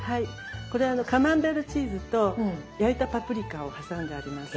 これあのカマンベールチーズと焼いたパプリカを挟んであります。